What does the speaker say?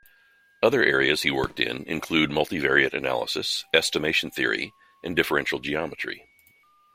Other areas he worked in include multivariate analysis, estimation theory, and differential geometry.